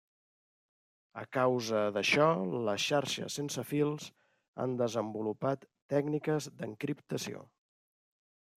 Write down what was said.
A causa d'això les xarxes sense fils han desenvolupat tècniques d'encriptació.